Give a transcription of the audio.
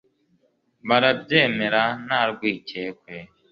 barabyemera nta rwikekwe